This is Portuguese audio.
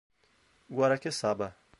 Guaraqueçaba